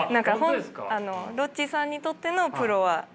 ロッチさんにとってのプロは何ですか？